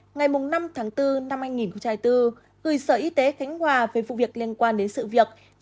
ngày năm tháng bốn năm hai nghìn hai mươi bốn gửi sở y tế khánh hòa về vụ việc liên quan đến sự việc